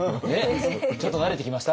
ちょっと慣れてきました？